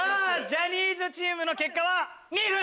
ジャニーズチームの結果は２分。